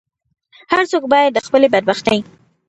هر څوک باید د خپلې بدبختۍ.